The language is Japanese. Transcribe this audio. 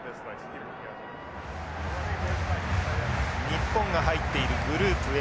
日本が入っているグループＡ。